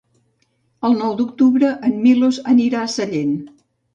El nou d'octubre en Milos anirà a Sellent.